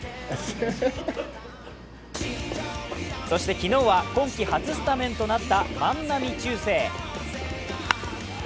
そして昨日は、今季初スタメンとなった万波中正。